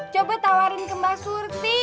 coba tawarin ke mbak surfi